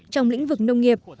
trong lĩnh vực nông nghiệp